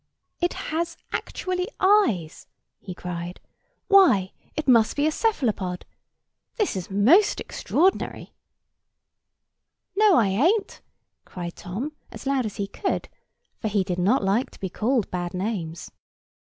"It has actually eyes!" he cried. "Why, it must be a Cephalopod! This is most extraordinary!" "No, I ain't!" cried Tom, as loud as he could; for he did not like to be called bad names.